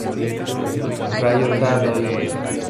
Ryota Doi